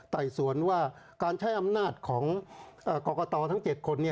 ไต่สวนว่าการใช้อำนาจของกรกตทั้ง๗คน